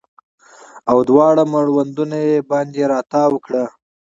او دواړه مړوندونه یې باندې راتاو کړه